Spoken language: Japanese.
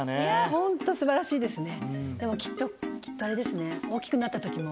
本当、素晴らしいですね。